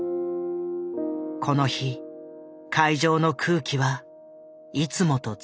この日会場の空気はいつもと全然違う。